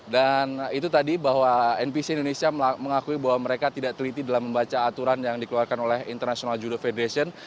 dan itu tadi bahwa npc indonesia mengakui bahwa mereka tidak teliti dalam membaca aturan yang dikeluarkan oleh international judo federation